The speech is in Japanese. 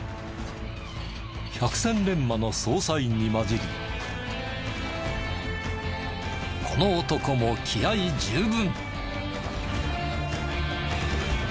百戦錬磨の捜査員に交じりこの男も気合十分。